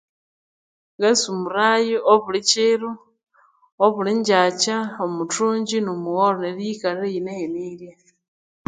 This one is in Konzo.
Ngasumurayo obuli kiro obulinjjakya omuthunjji nomugholho neryo iyikalha iyinahenirye